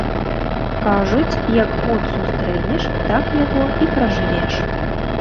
Кажуць, як год сустрэнеш, так яго і пражывеш.